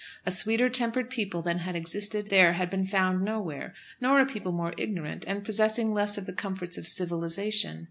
A sweeter tempered people than had existed there had been found nowhere; nor a people more ignorant, and possessing less of the comforts of civilisation.